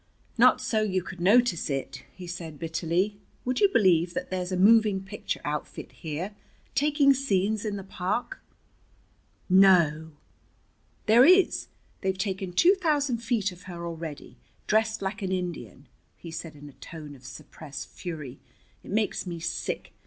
"Not so you could notice it!" he said bitterly. "Would you believe that there's a moving picture outfit here, taking scenes in the park?" "No!" "There is. They've taken two thousand feet of her already, dressed like an Indian," he said in a tone of suppressed fury. "It makes me sick.